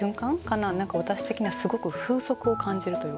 何か私的にはすごく風速を感じるというか。